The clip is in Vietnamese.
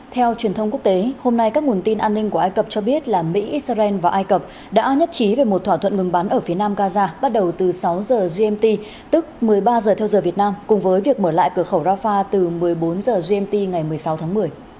theo truyền thông quốc tế hôm nay các nguồn tin an ninh của ai cập cho biết là mỹ israel và ai cập đã nhất trí về một thỏa thuận ngừng bắn ở phía nam gaza bắt đầu từ sáu giờ gmt tức một mươi ba giờ theo giờ việt nam cùng với việc mở lại cửa khẩu rafah từ một mươi bốn h gmt ngày một mươi sáu tháng một mươi